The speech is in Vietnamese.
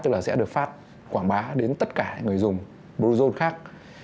tức là sẽ được phát quảng bá đến tất cả người dùng bluezone khác